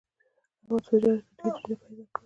احمد په تجارت کې ډېره دنیا پیدا کړله.